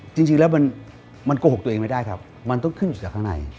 จริงแล้วมันโกหกตัวเองไม่ได้ครับมันต้องขึ้นอยู่จากข้างใน